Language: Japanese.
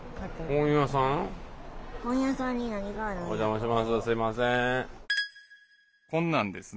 お邪魔します。